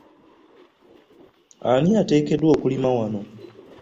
Ani ateekeddwa okulima wano ?